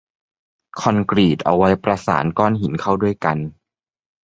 คอนกรีตเอาไว้ประสานก้อหินเข้าด้วยกัน